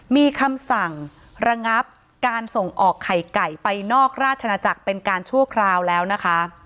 มีคำสั่งระงับการส่งออกไข่ไก่ไปนอกราชนาจักรเป็นการชั่วคราวแล้วนะคะ